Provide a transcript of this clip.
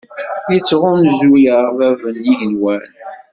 Yettɣunzu-aɣ Bab n yigenwan.